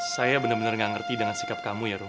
saya bener bener gak ngerti dengan sikap kamu ya rum